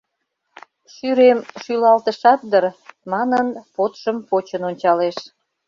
— Шӱрем шӱлалтышат дыр? — манын, подшым почын ончалеш.